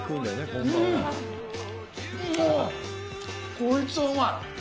こいつはうまい！